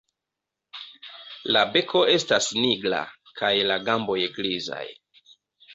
La beko estas nigra kaj la gamboj grizaj.